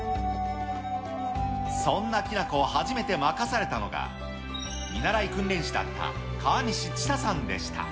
そんなきな子を初めて任されたのが、見習い訓練士だった川西智紗